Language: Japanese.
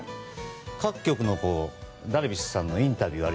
各局のダルビッシュさんのインタビュー。